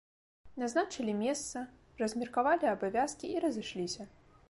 Назначылі месца, размеркавалі абавязкі і разышліся.